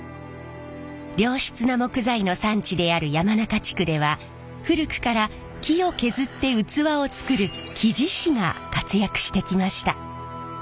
良質な木材の産地である山中地区では古くから木を削って器を作る木地師が活躍してきました。